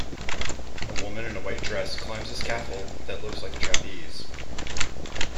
A woman in a white dress climbs a scaffold that looks like a trapeze.